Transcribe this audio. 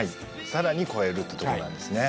更に超えるってとこなんですね。